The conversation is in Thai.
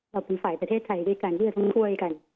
เราเป็นฝ่ายประเทศไทยด้วยกันที่จะต้องช่วยกัน